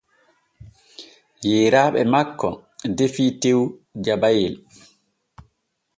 Yeyraaɓe makko defi tew jabayel.